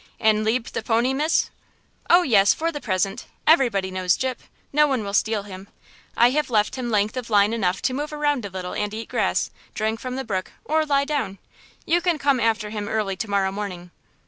"An' leab the pony, miss?" "Oh, yes, for the present; everybody knows Gyp–no one will steal him. I have left him length of line enough to move around a little and eat grass, drink from the brook, or lie down. You can come after him early to morrow morning."